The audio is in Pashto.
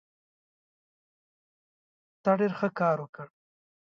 ته ډېر ښه کار وکړ.